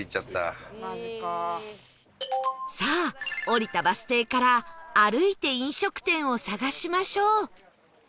さあ降りたバス停から歩いて飲食店を探しましょう